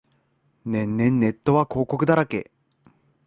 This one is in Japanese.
年々ネットは広告だらけ